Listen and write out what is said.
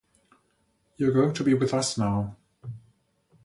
You're going to be with us now.